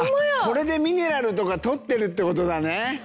これでミネラルとかとってるってことだね。